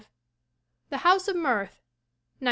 The House of Mirth, 1905.